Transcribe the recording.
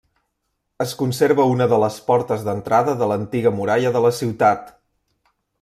Es conserva una de les portes d'entrada de l'antiga muralla de la ciutat.